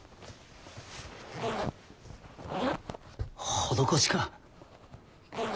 施しか？